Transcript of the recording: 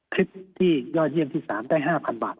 คลิปที่ยอดเยี่ยมที่๓ได้๕๐๐บาท